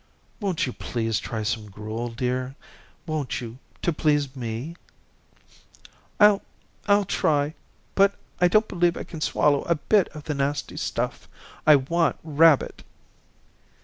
"Won't you please try some gruel, dear? Won't you, to please me?" "I'll I'll try, but I don't believe I can swallow a bit of the nasty stuff. I want rabbit."